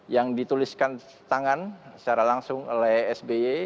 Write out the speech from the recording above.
yang dituliskan tangan secara langsung oleh sby